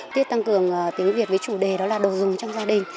tiết tăng cường tiếng việt với chủ đề đó là đồ dùng trong gia đình